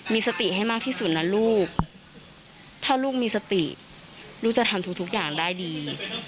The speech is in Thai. มีสติให้มากที่สุดนะลูกถ้าลูกมีสติลูกจะทำทุกอย่างได้ดี